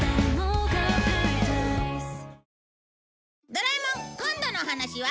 『ドラえもん』今度のお話は